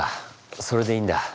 それでいいんだ。